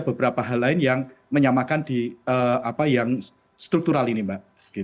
beberapa hal lain yang menyamakan yang struktural ini mbak